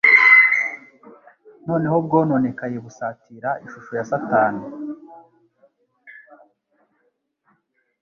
noneho bwononekaye busatira ishusho ya Satani.